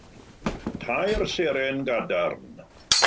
Tair seren gadarn.